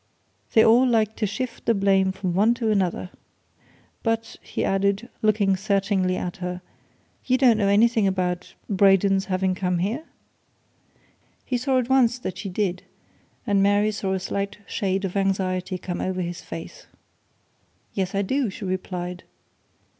"They all like to shift the blame from one to another! But," he added, looking searchingly at her, "you don't know anything about Braden's having come here?" He saw at once that she did, and Mary saw a slight shade of anxiety come over his face. "Yes, I do!" she replied.